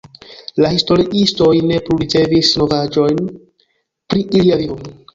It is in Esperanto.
La historiistoj ne plu ricevis novaĵojn pri ilia vivo.